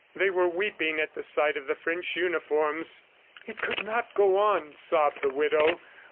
They were weeping at the sight of the French uniforms. "It could not go on," sobbed the widow.